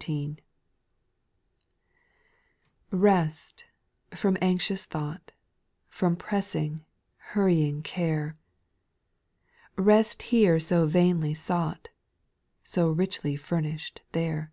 T) EST, from anxious thought, At' From pressing, hurrying care I Rest here so vainly sought. So richly furnish'd there.